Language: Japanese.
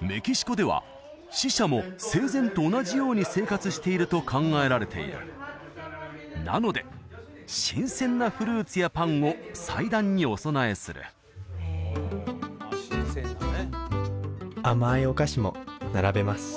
メキシコでは死者も生前と同じように生活していると考えられているなので新鮮なフルーツやパンを祭壇にお供えする甘いお菓子も並べます